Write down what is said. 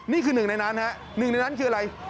นี่คือหนึ่งในนั้นฮะหนึ่งในนั้นคืออะไร